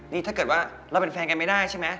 นี่ถ้าเกิดว่าเราเป็นแฟนกันไม่ได้ใช่ไหม